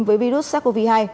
với virus sars cov hai